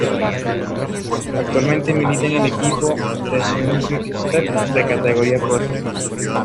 Actualmente milita en el equipo Deceuninck-Quick Step, de categoría ProTeam.